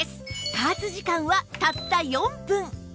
加圧時間はたった４分